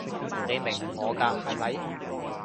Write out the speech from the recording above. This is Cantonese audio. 你明我㗎係咪？